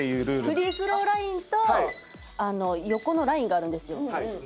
フリースローラインと横のラインがあるんですよ。